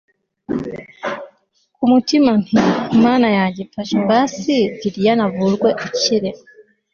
kumutima nti mana yanjye mfasha basi lilian avurwe akire